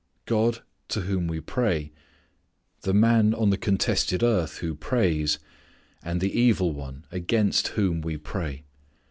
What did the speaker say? God to whom we pray, the man on the contested earth who prays, and the evil one against whom we pray.